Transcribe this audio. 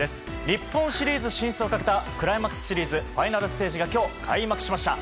日本シーズン進出をかけたクライマックスシリーズファイナルステージが今日開幕しました。